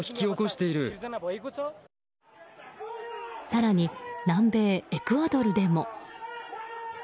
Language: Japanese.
更に南米エクアドルでも。